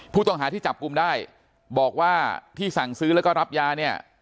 ผู้ต้องหาที่จับกลุ่มได้บอกว่าที่สั่งซื้อแล้วก็รับยาเนี่ย